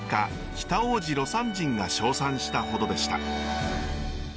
北大路魯山人が称賛したほどでした。